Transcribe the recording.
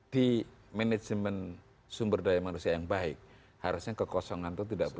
di manajemen sumber daya manusia yang baik harusnya kekosongan itu tidak baik